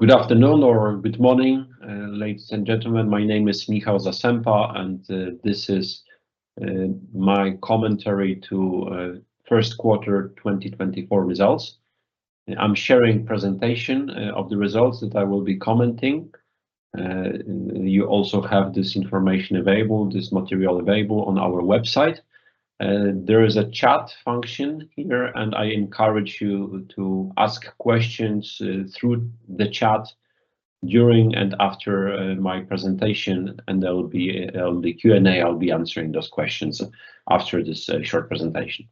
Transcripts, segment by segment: Good afternoon or good morning, ladies and gentlemen. My name is Michał Zasępa, and this is my commentary to Q1 2024 results. I'm sharing a presentation of the results that I will be commenting. You also have this information available, this material available on our website. There is a chat function here, and I encourage you to ask questions through the chat during and after my presentation, and there will be Q&A. I'll be answering those questions after this short presentation.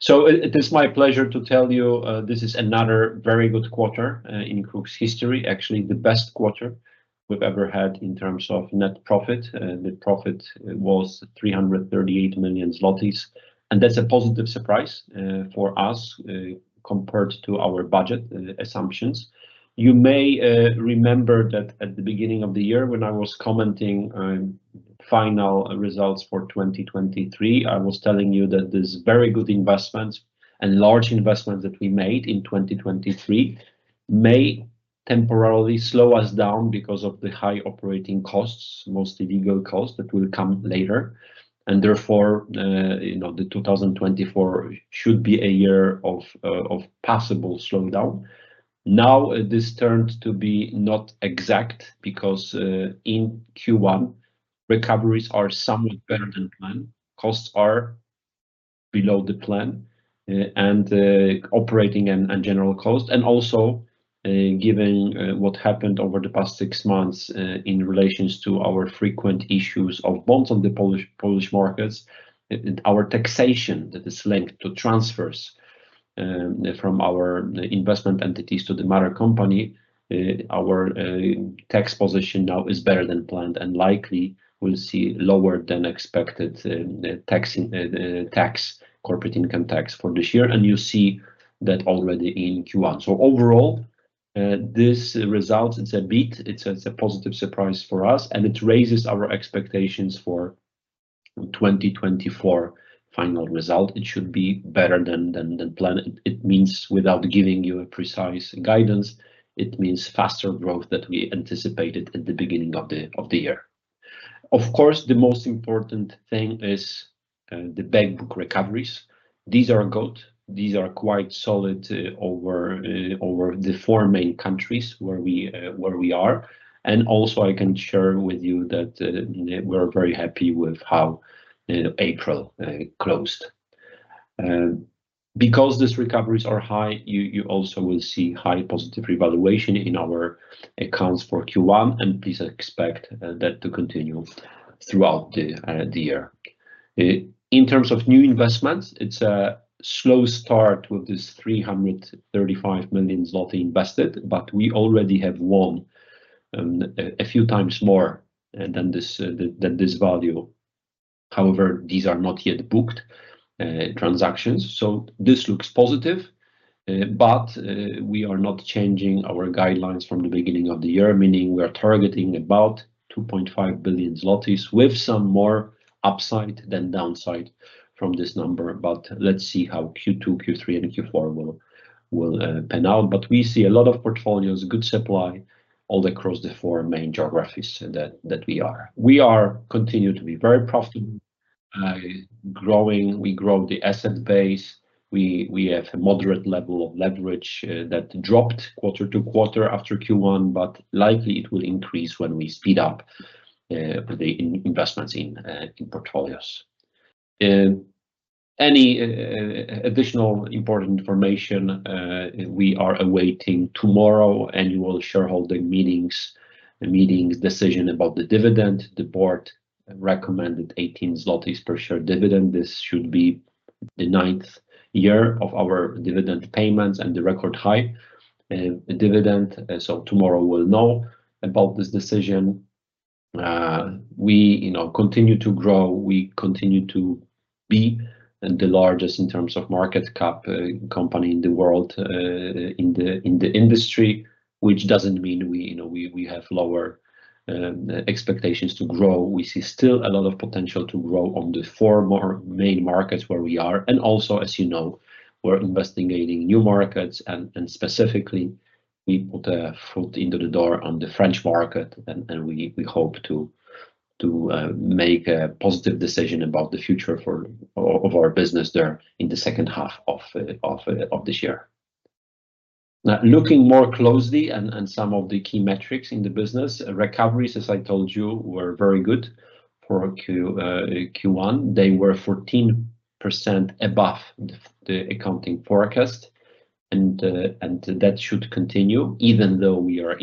It is my pleasure to tell you this is another very good quarter in KRUK's history, actually the best quarter we've ever had in terms of net profit. The profit was 338 million zlotys, and that's a positive surprise for us compared to our budget assumptions. You may remember that at the beginning of the year when I was commenting final results for 2023, I was telling you that these very good investments and large investments that we made in 2023 may temporarily slow us down because of the high operating costs, mostly legal costs that will come later, and therefore, you know, the 2024 should be a year of possible slowdown. Now, this turned to be not exact because, in Q1, recoveries are somewhat better than planned. Costs are below the plan, and operating and general costs, and also, given what happened over the past six months, in relation to our frequent issues of bonds on the Polish markets, and our taxation that is linked to transfers from our investment entities to the mother company, our tax position now is better than planned and likely we'll see lower than expected tax corporate income tax for this year, and you see that already in Q1. So overall, this results. It's a beat. It's a positive surprise for us, and it raises our expectations for 2024 final result. It should be better than planned. It means, without giving you a precise guidance, it means faster growth that we anticipated at the beginning of the year. Of course, the most important thing is the backbook recoveries. These are good. These are quite solid, over the four main countries where we are. Also, I can share with you that we're very happy with how April closed. Because these recoveries are high, you also will see high positive revaluation in our accounts for Q1, and please expect that to continue throughout the year. In terms of new investments, it's a slow start with this 335 million zloty invested, but we already have won a few times more than this than this value. However, these are not yet booked transactions, so this looks positive, but we are not changing our guidelines from the beginning of the year, meaning we are targeting about 2.5 billion zlotys with some more upside than downside from this number, but let's see how Q2, Q3, and Q4 will pan out. But we see a lot of portfolios, good supply, all across the four main geographies that we are. We are continuing to be very profitable, growing. We grow the asset base. We have a moderate level of leverage, that dropped quarter-over-quarter after Q1, but likely it will increase when we speed up the investments in portfolios. Any additional important information, we are awaiting tomorrow, annual shareholder meetings, decision about the dividend. The board recommended 18 zlotys per share dividend. This should be the ninth year of our dividend payments and the record high dividend, so tomorrow we'll know about this decision. We, you know, continue to grow. We continue to be the largest in terms of market cap, company in the world, in the industry, which doesn't mean we, you know, we have lower expectations to grow. We see still a lot of potential to grow on the four more main markets where we are, and also, as you know, we're investigating new markets, and specifically, we put a foot into the door on the French market, and we hope to make a positive decision about the future for our business there in the second half of this year. Now, looking more closely at some of the key metrics in the business, recoveries, as I told you, were very good for Q1. They were 14% above the accounting forecast, and that should continue even though we are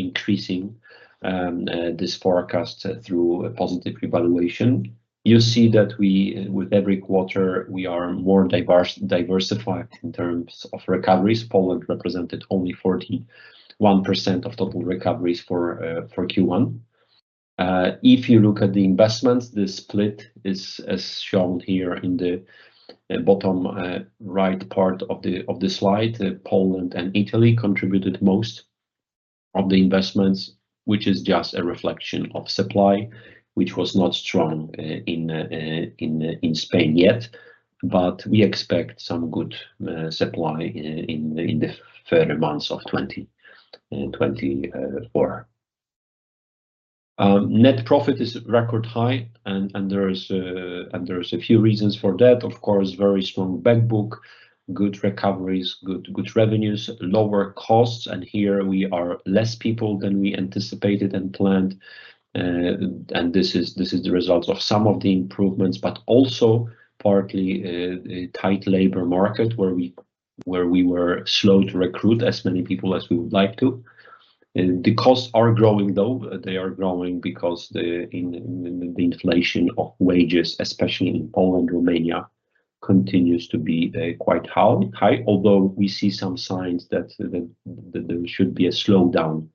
increasing this forecast through positive revaluation. You see that we, with every quarter, are more diversified in terms of recoveries. Poland represented only 41% of total recoveries for Q1. If you look at the investments, the split is as shown here in the bottom, right part of the slide. Poland and Italy contributed most of the investments, which is just a reflection of supply, which was not strong in Spain yet, but we expect some good supply in the further months of 2024. Net profit is record high, and there's a few reasons for that. Of course, very strong backbook, good recoveries, good revenues, lower costs, and here we are less people than we anticipated and planned, and this is the results of some of the improvements, but also partly, tight labor market where we were slow to recruit as many people as we would like to. The costs are growing, though. They are growing because the in the inflation of wages, especially in Poland, Romania, continues to be quite high, although we see some signs that there should be a slowdown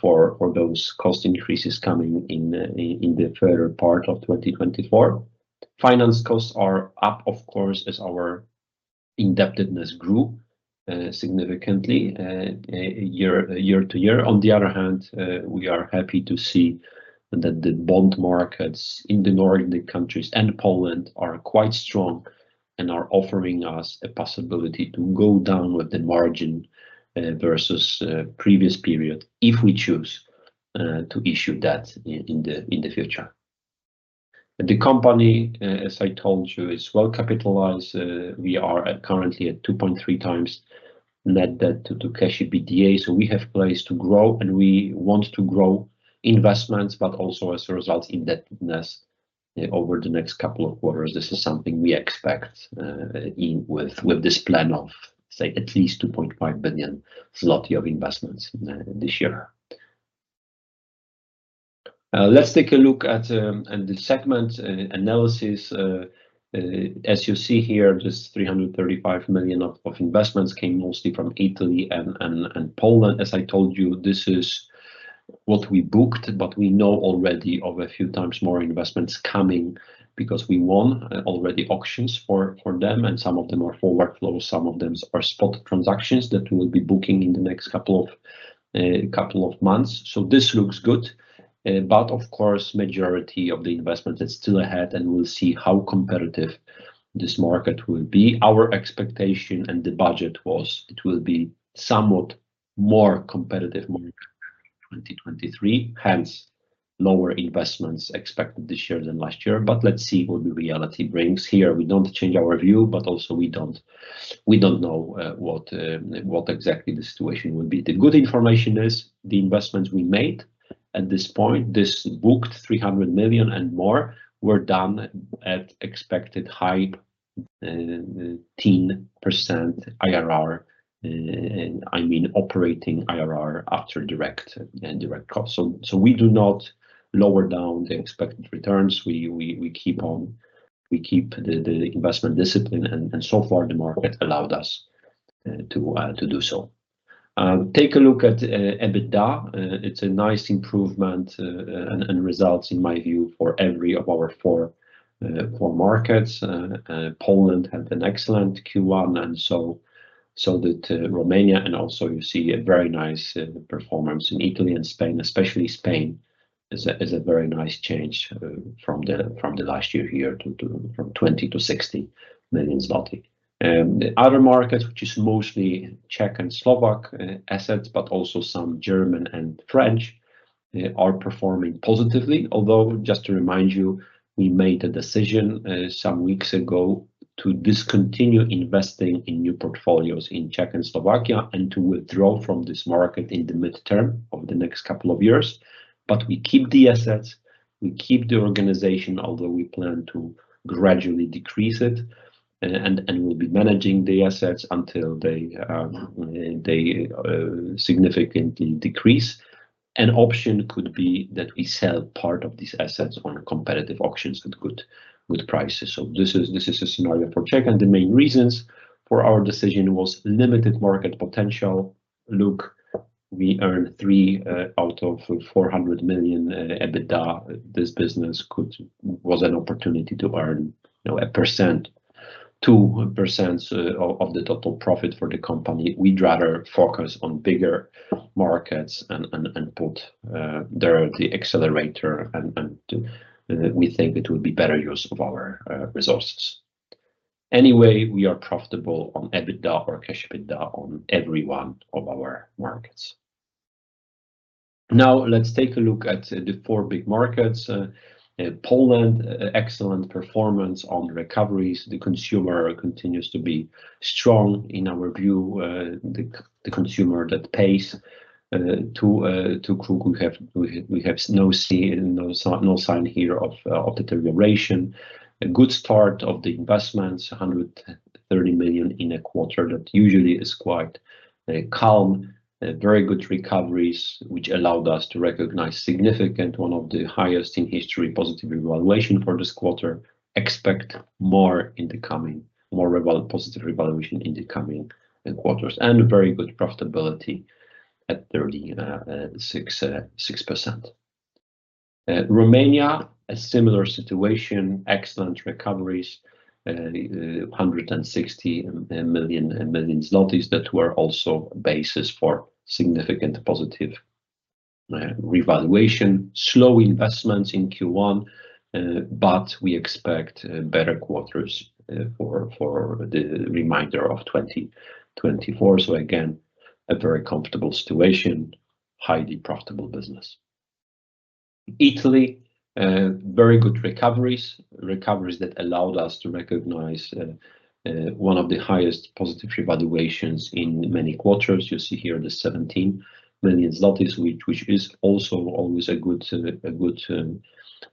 for those cost increases coming in in the further part of 2024. Finance costs are up, of course, as our indebtedness grew significantly year to year. On the other hand, we are happy to see that the bond markets in the Nordic countries and Poland are quite strong and are offering us a possibility to go down with the margin versus previous period if we choose to issue debt in the future. The company, as I told you, is well capitalized. We are currently at 2.3x net debt to Cash EBITDA, so we have place to grow, and we want to grow investments, but also as a result indebtedness over the next couple of quarters. This is something we expect in with this plan of, say, at least 2.5 billion zloty of investments this year. Let's take a look at the segment analysis. As you see here, just 335 million of investments came mostly from Italy and Poland. As I told you, this is what we booked, but we know already of a few times more investments coming because we won already auctions for them, and some of them are forward flows. Some of them are spot transactions that we will be booking in the next couple of months, so this looks good. But of course, the majority of the investment is still ahead, and we'll see how competitive this market will be. Our expectation and the budget was it will be somewhat more competitive market in 2023, hence lower investments expected this year than last year, but let's see what the reality brings. Here, we don't change our view, but also we don't, we don't know, what, what exactly the situation will be. The good information is the investments we made at this point, this booked 300 million and more, were done at expected high, 10% IRR, I mean, operating IRR after direct and indirect costs. So, so we do not lower down the expected returns. We keep on we keep the investment discipline, and, and so far, the market allowed us to do so. Take a look at EBITDA. It's a nice improvement, and, and results, in my view, for every of our four, four markets. Poland had an excellent Q1, and so, so did Romania, and also you see a very nice performance in Italy and Spain, especially Spain is a very nice change from the last year here from 20 million-60 million zloty. The other markets, which is mostly Czech and Slovak assets, but also some German and French, are performing positively, although just to remind you, we made a decision some weeks ago to discontinue investing in new portfolios in Czech and Slovakia and to withdraw from this market in the midterm of the next couple of years, but we keep the assets. We keep the organization, although we plan to gradually decrease it, and we'll be managing the assets until they significantly decrease. An option could be that we sell part of these assets on competitive auctions at good prices. So this is a scenario for Czech, and the main reasons for our decision was limited market potential. Look, we earned 3 million out of 400 million EBITDA. This business could be an opportunity to earn, you know, 1% to 2% of the total profit for the company. We'd rather focus on bigger markets and put the accelerator there, and we think it would be better use of our resources. Anyway, we are profitable on EBITDA or Cash EBITDA on every one of our markets. Now, let's take a look at the 4 big markets. Poland, excellent performance on recoveries. The consumer continues to be strong, in our view, the consumer that pays to KRUK. We see no sign here of deterioration. A good start of the investments, 130 million in a quarter that usually is quite calm, very good recoveries, which allowed us to recognize significant, one of the highest in history, positive revaluation for this quarter. Expect more positive revaluation in the coming quarters and very good profitability at 36%. Romania, a similar situation, excellent recoveries, 160 million zlotys that were also a basis for significant positive revaluation. Slow investments in Q1, but we expect better quarters for the remainder of 2024. So again, a very comfortable situation, highly profitable business. Italy, very good recoveries, recoveries that allowed us to recognize one of the highest positive revaluations in many quarters. You see here the 17 million zlotys, which is also always a good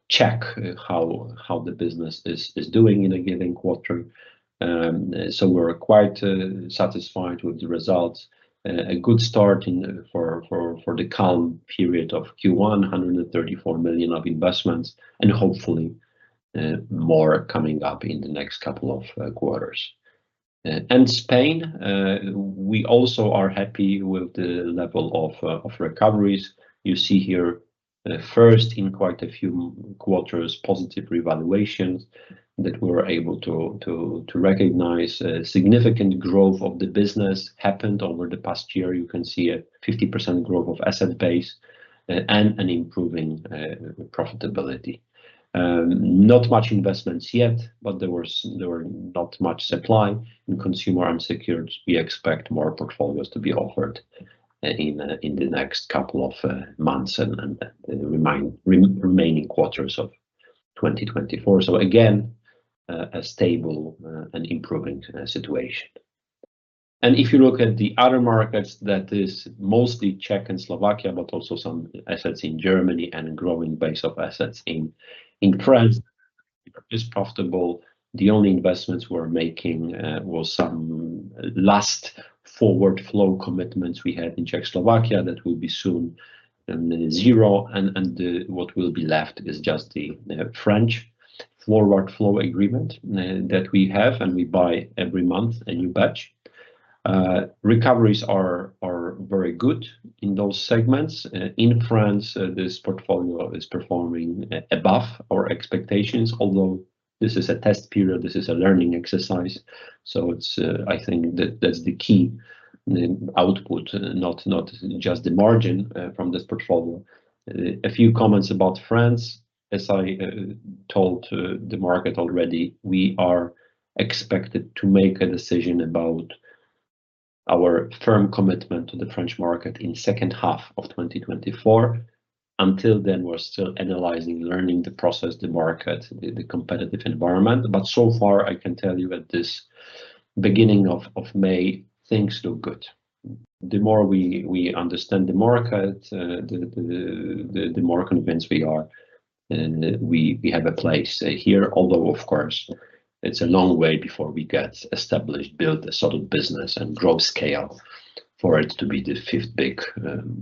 check how the business is doing in a given quarter. So we're quite satisfied with the results. A good start for the calm period of Q1, 134 million of investments, and hopefully more coming up in the next couple of quarters. And Spain, we also are happy with the level of recoveries. You see here, first in quite a few quarters, positive revaluations that we were able to recognize. Significant growth of the business happened over the past year. You can see a 50% growth of asset base, and an improving profitability. Not much investments yet, but there was not much supply in consumer unsecured. We expect more portfolios to be offered in the next couple of months and the remaining quarters of 2024. So again, a stable and improving situation. If you look at the other markets, that is mostly Czech and Slovakia, but also some assets in Germany and a growing base of assets in France, is profitable. The only investments we're making was some last forward flow commitments we had in Czechoslovakia that will be soon zero, and what will be left is just the French forward flow agreement that we have, and we buy every month a new batch. Recoveries are very good in those segments. In France, this portfolio is performing above our expectations, although this is a test period. This is a learning exercise, so it's, I think that's the key, the output, not just the margin, from this portfolio. A few comments about France. As I told the market already, we are expected to make a decision about our firm commitment to the French market in the second half of 2024. Until then, we're still analyzing, learning the process, the market, the competitive environment, but so far, I can tell you at this beginning of May, things look good. The more we understand the market, the more convinced we are, we have a place here, although, of course, it's a long way before we get established, build a solid business, and grow scale for it to be the fifth big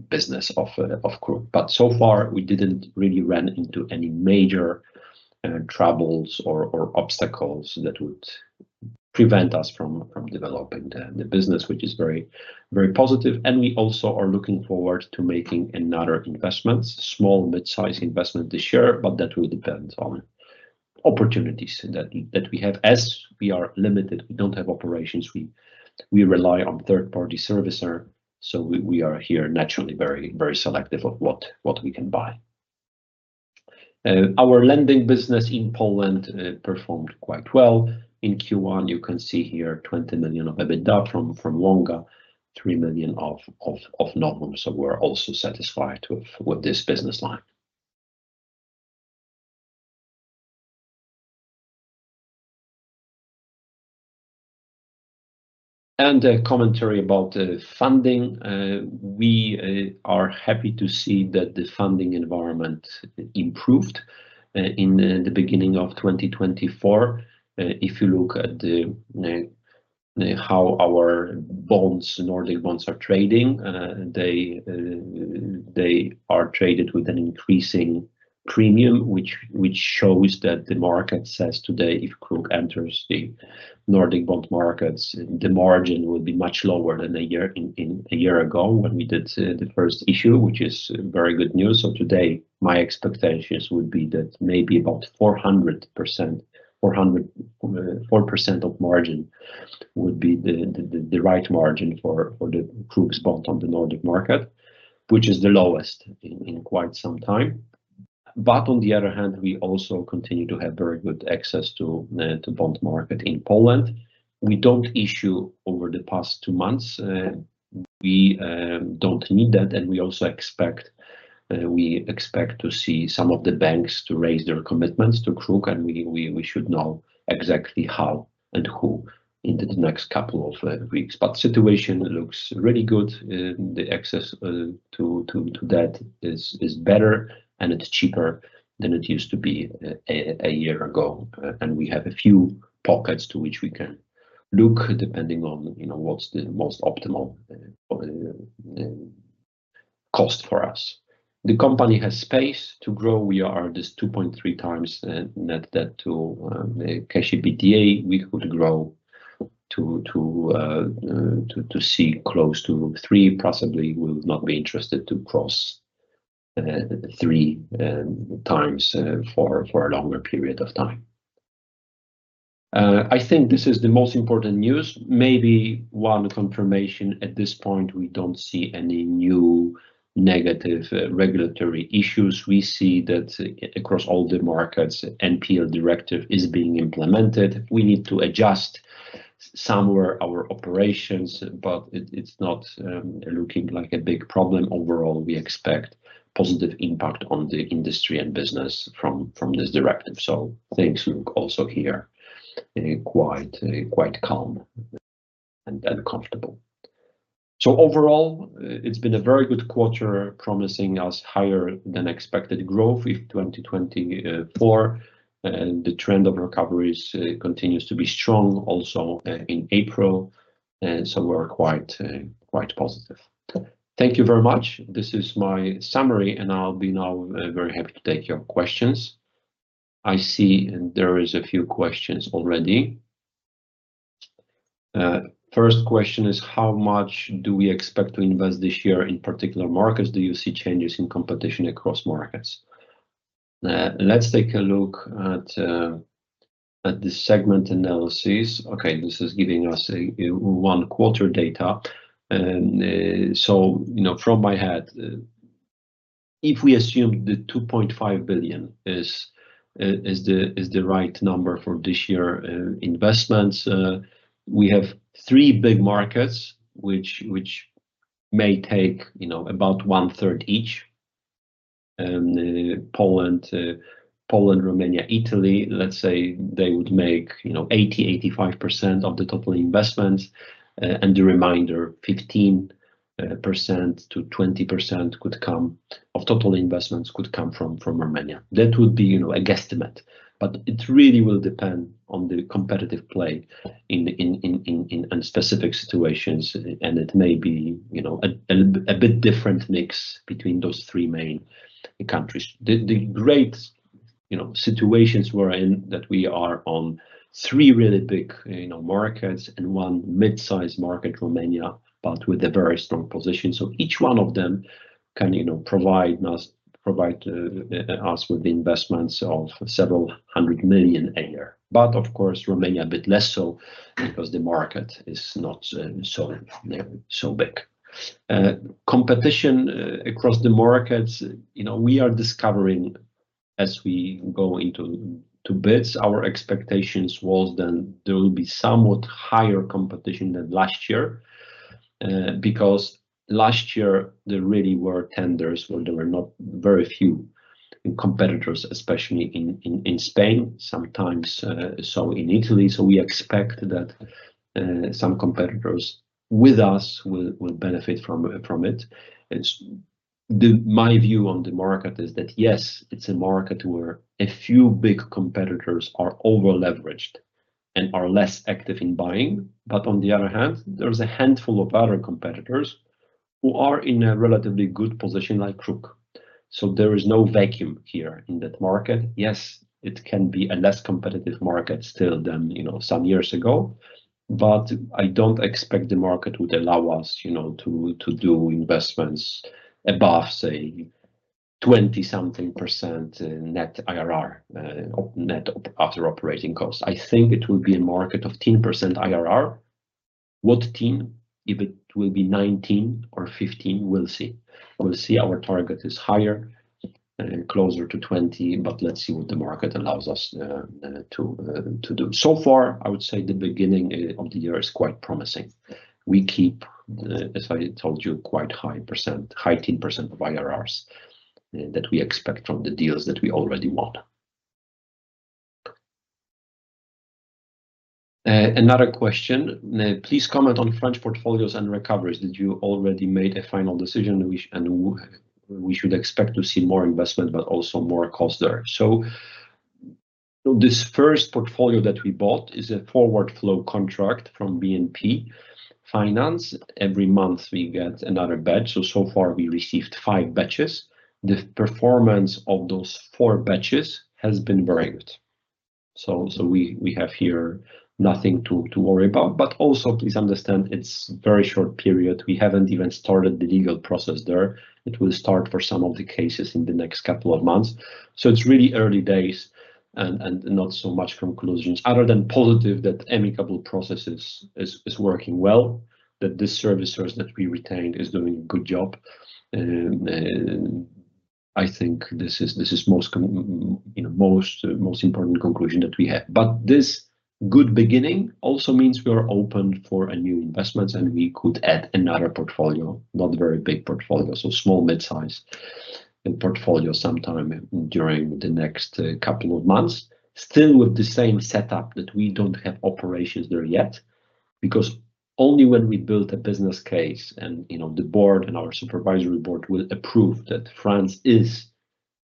business of KRUK. But so far, we didn't really run into any major troubles or obstacles that would prevent us from developing the business, which is very positive, and we also are looking forward to making another investment, small midsize investment this year, but that will depend on opportunities that we have. As we are limited, we don't have operations. We rely on third-party servicer, so we are here naturally very selective of what we can buy. Our lending business in Poland performed quite well. In Q1, you can see here 20 million of EBITDA from Wonga, 3 million of Novum, so we're also satisfied with this business line. And a commentary about the funding. We are happy to see that the funding environment improved in the beginning of 2024. If you look at how our bonds, Nordic bonds, are trading, they are traded with an increasing premium, which shows that the market says today, if KRUK enters the Nordic bond markets, the margin will be much lower than a year ago when we did the first issue, which is very good news. So today, my expectations would be that maybe about 4% of margin would be the right margin for the KRUK's bond on the Nordic market, which is the lowest in quite some time. But on the other hand, we also continue to have very good access to the bond market in Poland. We don't issue over the past two months. We don't need that, and we also expect to see some of the banks to raise their commitments to KRUK, and we should know exactly how and who in the next couple of weeks. But the situation looks really good. The access to debt is better, and it's cheaper than it used to be a year ago, and we have a few pockets to which we can look depending on, you know, what's the most optimal cost for us. The company has space to grow. We are at 2.3x net debt to Cash EBITDA. We could grow to see close to 3x. Possibly, we would not be interested to cross 3x for a longer period of time. I think this is the most important news. Maybe one confirmation at this point, we don't see any new negative regulatory issues. We see that across all the markets, the NPL Directive is being implemented. We need to adjust somewhere our operations, but it's not looking like a big problem. Overall, we expect positive impact on the industry and business from this directive. So things look also here quite calm and comfortable. So overall, it's been a very good quarter, promising us higher than expected growth in 2024, and the trend of recoveries continues to be strong also in April, and so we're quite positive. Thank you very much. This is my summary, and I'll be now very happy to take your questions. I see there are a few questions already. First question is, how much do we expect to invest this year in particular markets? Do you see changes in competition across markets? Let's take a look at this segment analysis. Okay, this is giving us a one-quarter data. So, you know, from my head, if we assume the 2.5 billion is the right number for this year's investments, we have three big markets, which may take, you know, about one-third each. Poland, Romania, Italy, let's say they would make, you know, 80% to 85% of the total investments, and the remainder, 15% to 20% of total investments could come from Romania. That would be, you know, a guesstimate, but it really will depend on the competitive play in the specific situations, and it may be, you know, a bit different mix between those three main countries. The great, you know, situations we're in that we are on three really big, you know, markets and one midsize market, Romania, but with a very strong position. So each one of them can, you know, provide us with the investments of several hundred million PLN a year, but, of course, Romania, a bit less so because the market is not so big. Competition across the markets, you know, we are discovering as we go into it, our expectations was then there will be somewhat higher competition than last year, because last year, there really were tenders where there were not very few competitors, especially in Spain, sometimes so in Italy. So we expect that some competitors with us will benefit from it. It's my view on the market is that, yes, it's a market where a few big competitors are over-leveraged and are less active in buying, but on the other hand, there's a handful of other competitors who are in a relatively good position like KRUK. So there is no vacuum here in that market. Yes, it can be a less competitive market still than, you know, some years ago, but I don't expect the market would allow us, you know, to do investments above, say, 20-something percent net IRR, net after-operating costs. I think it will be a market of 10% IRR. What, 10%? If it will be 19 or 15, we'll see. We'll see. Our target is higher and closer to 20, but let's see what the market allows us to do. So far, I would say the beginning of the year is quite promising. We keep, as I told you, quite high percent high 10% of IRRs that we expect from the deals that we already want. Another question. Please comment on French portfolios and recoveries. Did you already make a final decision which and we should expect to see more investment, but also more costs there? So this first portfolio that we bought is a forward flow contract from BNP Paribas Personal Finance. Every month, we get another batch, so far, we received 5 batches. The performance of those four batches has been very good. So we have here nothing to worry about, but also, please understand, it's a very short period. We haven't even started the legal process there. It will start for some of the cases in the next couple of months. So it's really early days and not so much conclusions other than positive that amicable process is working well, that this servicer that we retained is doing a good job. And I think this is the most, you know, most important conclusion that we have, but this good beginning also means we are open for new investments, and we could add another portfolio, not a very big portfolio, so small, midsize portfolio sometime during the next couple of months, still with the same setup that we don't have operations there yet because only when we build a business case and, you know, the board and our supervisory board will approve that France is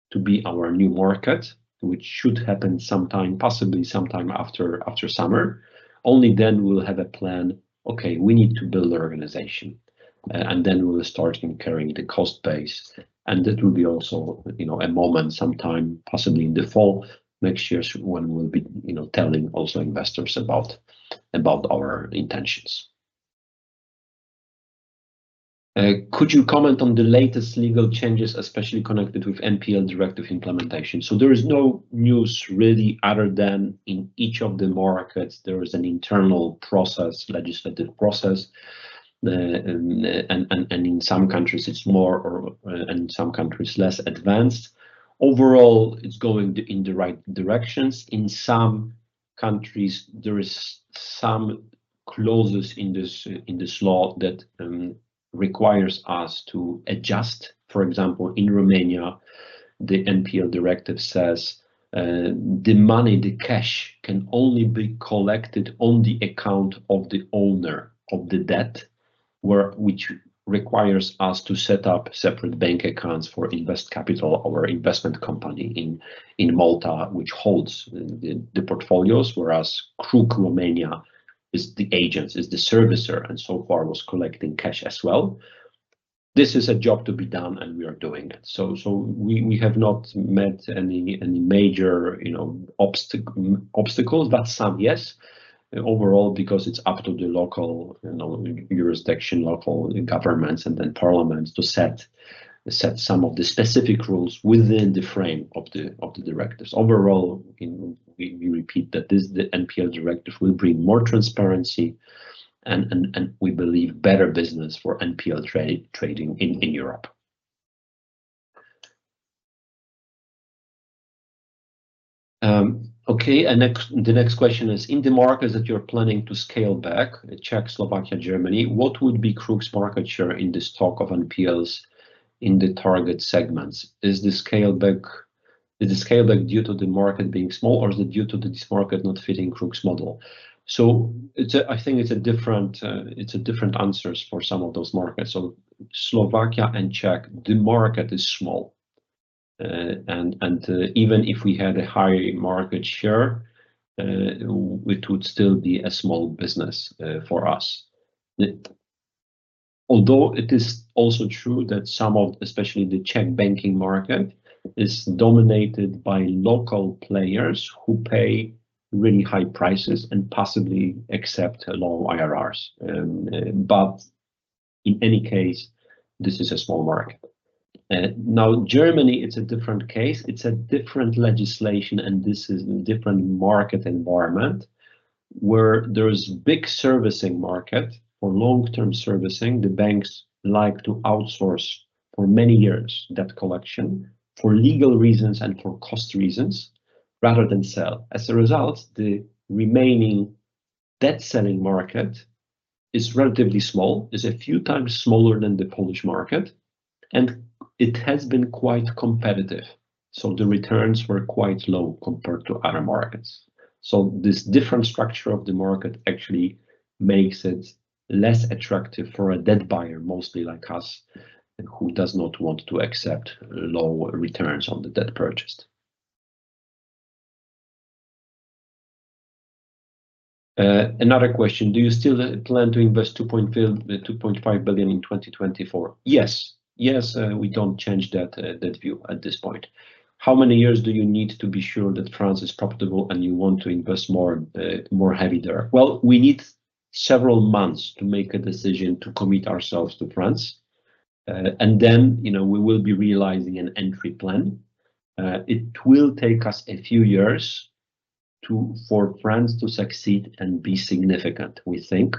to be our new market, which should happen sometime, possibly sometime after summer, only then we'll have a plan. Okay, we need to build the organization, and then we'll start incurring the cost base, and that will be also, you know, a moment sometime, possibly in the fall next year when we'll be, you know, telling also investors about our intentions. Could you comment on the latest legal changes, especially connected with NPL Directive implementation? So there is no news really other than in each of the markets, there is an internal process, legislative process, and in some countries, it's more or less advanced. Overall, it's going in the right directions. In some countries, there are some clauses in this law that requires us to adjust. For example, in Romania, the NPL Directive says, the money, the cash, can only be collected on the account of the owner of the debt, which requires us to set up separate bank accounts for InvestCapital, our investment company in Malta, which holds the portfolios, whereas KRUK Romania is the agent, is the servicer, and so far was collecting cash as well. This is a job to be done, and we are doing it. So we have not met any major, you know, obstacles, but some, yes, overall, because it's up to the local, you know, jurisdiction, local governments, and then parliaments to set some of the specific rules within the frame of the directives. Overall, we repeat that this the NPL Directive will bring more transparency, and we believe better business for NPL trading in Europe. Okay, and next the next question is, in the markets that you're planning to scale back, Czech Republic, Slovakia, Germany, what would be KRUK's market share in the stock of NPLs in the target segments? Is the scale back due to the market being small, or is it due to this market not fitting KRUK's model? So, I think it's a different answer for some of those markets. So, Slovakia and Czech, the market is small, and even if we had a high market share, it would still be a small business for us. Although it is also true that some of, especially, the Czech banking market is dominated by local players who pay really high prices and possibly accept low IRRs, but in any case, this is a small market. Now, Germany, it's a different case. It's a different legislation, and this is a different market environment where there's a big servicing market for long-term servicing. The banks like to outsource for many years that collection for legal reasons and for cost reasons rather than sell. As a result, the remaining debt-selling market is relatively small, is a few times smaller than the Polish market, and it has been quite competitive. So the returns were quite low compared to other markets. So this different structure of the market actually makes it less attractive for a debt buyer, mostly like us, who does not want to accept low returns on the debt purchased. Another question, do you still plan to invest 2.5 billion in 2024? Yes. Yes, we don't change that that view at this point. How many years do you need to be sure that France is profitable and you want to invest more more heavy there? Well, we need several months to make a decision to commit ourselves to France, and then, you know, we will be realizing an entry plan. It will take us a few years for France to succeed and be significant, we think.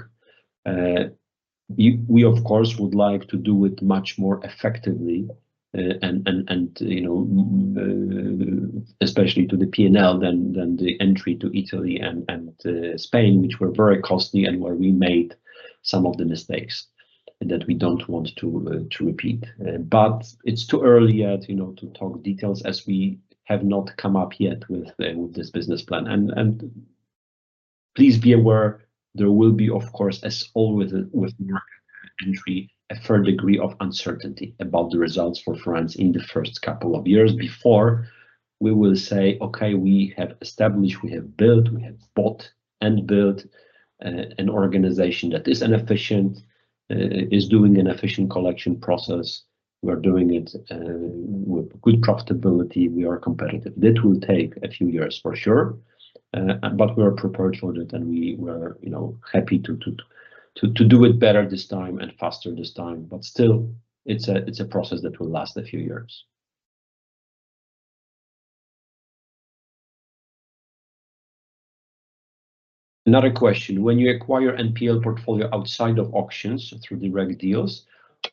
We, of course, would like to do it much more effectively, and, you know, especially to the P&L than the entry to Italy and Spain, which were very costly and where we made some of the mistakes that we don't want to repeat. But it's too early yet, you know, to talk details as we have not come up yet with this business plan. And please be aware, there will be, of course, as always with market entry, a third degree of uncertainty about the results for France in the first couple of years before we will say, okay, we have established, we have built, we have bought and built an organization that is an efficient, is doing an efficient collection process. We're doing it with good profitability. We are competitive. That will take a few years for sure, but we are prepared for that, and we were, you know, happy to do it better this time and faster this time, but still, it's a process that will last a few years. Another question, when you acquire NPL portfolio outside of auctions through direct deals,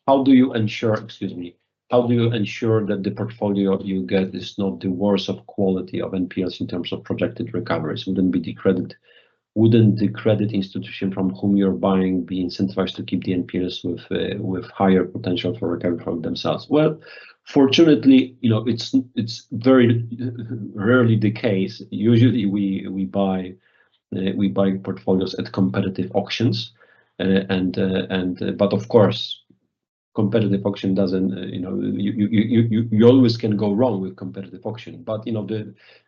how do you ensure excuse me, how do you ensure that the portfolio you get is not the worst of quality of NPLs in terms of projected recoveries? Wouldn't they be discredited wouldn't the credit institution from whom you're buying be incentivized to keep the NPLs with higher potential for recovery from themselves? Well, fortunately, you know, it's very rarely the case. Usually, we buy portfolios at competitive auctions, but, of course, competitive auction doesn't, you know, you always can go wrong with competitive auction, but, you know,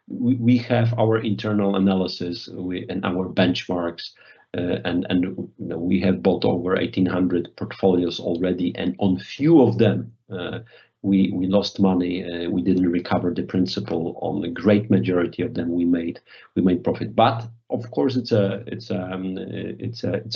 we have our internal analysis and our benchmarks, and, you know, we have bought over 1,800 portfolios already, and on few of them, we lost money. We didn't recover the principal. On the great majority of them, we made profit, but, of course, it's a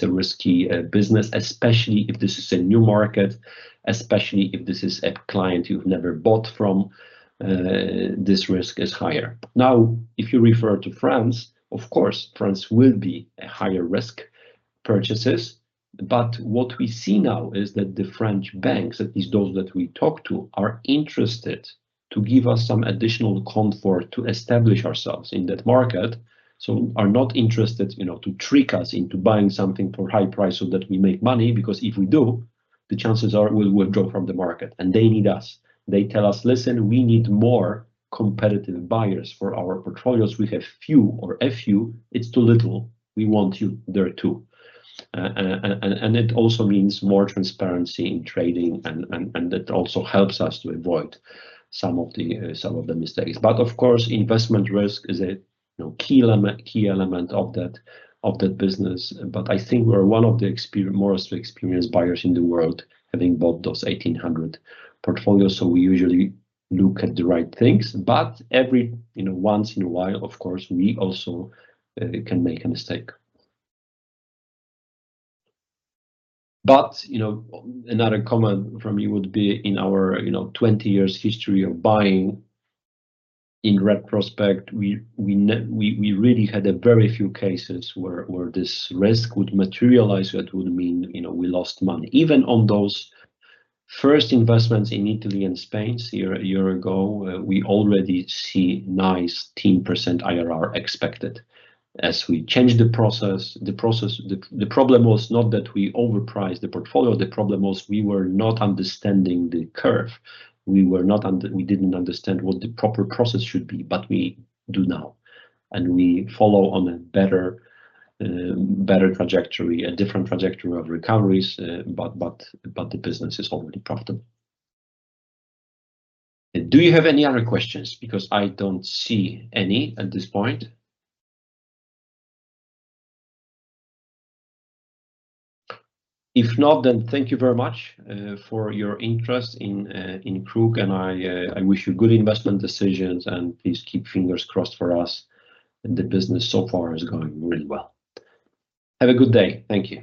risky business, especially if this is a new market, especially if this is a client you've never bought from. This risk is higher. Now, if you refer to France, of course, France will be a higher risk purchases, but what we see now is that the French banks, at least those that we talk to, are interested to give us some additional comfort to establish ourselves in that market, so are not interested, you know, to trick us into buying something for a high price so that we make money because if we do, the chances are we'll withdraw from the market, and they need us. They tell us, listen, we need more competitive buyers for our portfolios. We have few or a few. It's too little. We want you there too. And it also means more transparency in trading, and that also helps us to avoid some of the some of the mistakes. Of course, investment risk is, you know, a key element of that business, but I think we're one of the most experienced buyers in the world having bought those 1,800 portfolios, so we usually look at the right things, but every, you know, once in a while, of course, we also can make a mistake. But, you know, another comment from you would be, in our, you know, 20 years' history of buying, in retrospect, we really had very few cases where this risk would materialize that would mean, you know, we lost money. Even on those first investments in Italy and Spain a year ago, we already see nice 10% IRR expected. As we changed the process, the problem was not that we overpriced the portfolio. The problem was we were not understanding the curve. We didn't understand what the proper process should be, but we do now, and we follow on a better trajectory, a different trajectory of recoveries, but the business is already profitable. Do you have any other questions? Because I don't see any at this point. If not, then thank you very much for your interest in KRUK, and I wish you good investment decisions, and please keep fingers crossed for us. The business so far is going really well. Have a good day. Thank you.